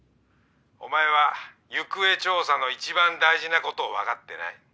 お前は行方調査の一番大事なことを分かってない。